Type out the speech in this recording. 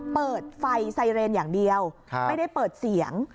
เปิดไฟไซเรนอย่างเดียวไม่ได้เปิดเสียง